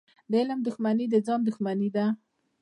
د علم دښمني د ځان دښمني ده.